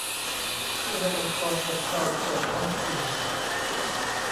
เพื่อให้องค์กรปกครองส่วนท้องถิ่น